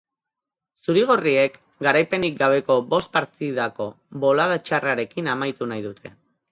Zuri-gorriek garaipenik gabeko bost partidako bolada txarrarekin amaitu nahi dute.